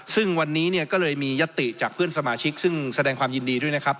ซึ่งวันนี้เนี่ยก็เลยมียติจากเพื่อนสมาชิกซึ่งแสดงความยินดีด้วยนะครับ